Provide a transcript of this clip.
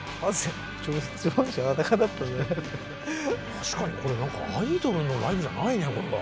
確かにこれアイドルのライブじゃないねこれは。